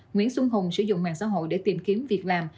nguyễn xuân hùng sử dụng mạng xã hội để tìm kiếm việc làm